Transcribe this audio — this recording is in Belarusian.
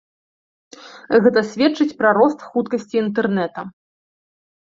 Гэта сведчыць пра рост хуткасці інтэрнэта.